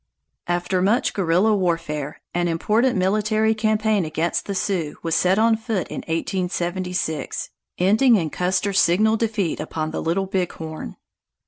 After much guerrilla warfare, an important military campaign against the Sioux was set on foot in 1876, ending in Custer's signal defeat upon the Little Big Horn.